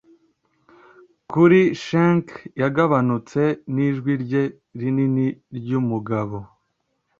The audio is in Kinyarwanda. kuri shank yagabanutse, nijwi rye rinini ryumugabo